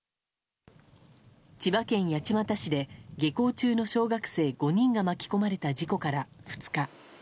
千葉県八街市で下校中の小学生５人が巻き込まれた事故から２日。